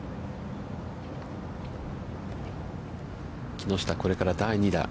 木下、これから第２打。